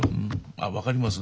あっ分かります？